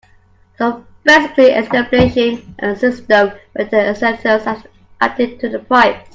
So basically establishing a system where the externalities are added to the price.